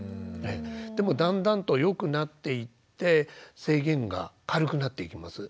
でもだんだんとよくなっていって制限が軽くなっていきます。